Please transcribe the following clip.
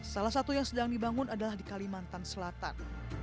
salah satu yang sedang dibangun adalah di kalimantan selatan